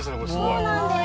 そうなんです。